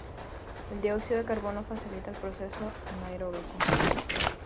El dióxido de carbono facilita el proceso anaeróbico.